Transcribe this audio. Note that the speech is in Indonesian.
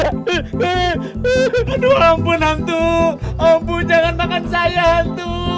aduh ampun hantu ampun jangan makan saya hantu